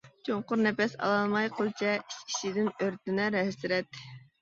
چوڭقۇر نەپەس ئالالماي قىلچە، ئىچ-ئىچىدىن ئۆرتىنەر ھەسرەت.